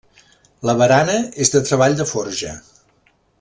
La barana és de treball de forja.